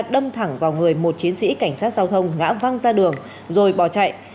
đâm thẳng vào người một chiến sĩ cảnh sát giao thông ngã văng ra đường rồi bỏ chạy